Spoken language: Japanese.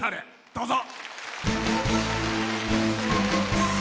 どうぞ。